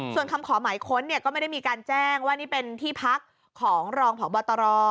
ส่วนคำขอหมายค้นก็ไม่ได้มีการแจ้งว่านี่เป็นที่พักของรองพบตร